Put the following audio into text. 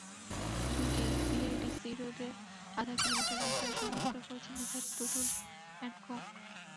BIDC রোডের আধা kilometre রাস্তার সংস্কার করেছে মেসার্স টুটুল অ্যান্ড কোং।